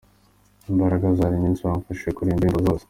Imbaraga zari nyinshi, bamfashije kuririmba indirimbo zose.